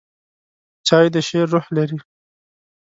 چای د شعر روح لري.